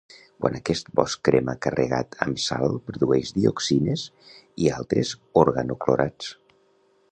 Quan aquest bosc crema carregat amb sal produeix dioxines i altres organoclorats.